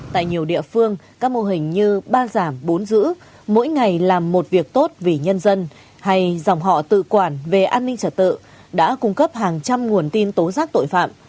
tại nhiều địa phương các mô hình như ba giảm bốn giữ mỗi ngày làm một việc tốt vì nhân dân hay dòng họ tự quản về an ninh trật tự đã cung cấp hàng trăm nguồn tin tố giác tội phạm